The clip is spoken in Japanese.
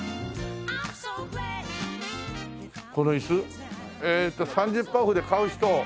このいすえーっと３０パーオフで買う人？